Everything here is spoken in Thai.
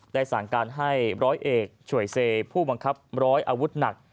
ได้สั่งการให้๑๐๐เอกฉวยเซผู้บังคับ๑๐๐อาวุธหนัก